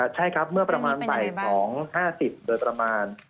ใช่ครับเมื่อประมาณไหล่ของ๕๐เดือนประมาณ